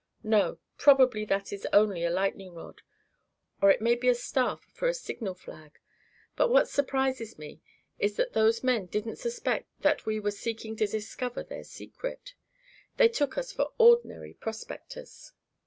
"No. Probably that is only a lightning rod, or it may be a staff for a signal flag. But what surprises me is that those men didn't suspect that we were seeking to discover their secret. They took us for ordinary prospectors."